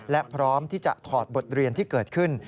และพร้อมที่จะถอดบทเรียนที่เกิดขึ้น